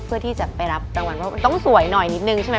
เพื่อที่จะไปรับรางวัลว่ามันต้องสวยหน่อยนิดนึงใช่ไหม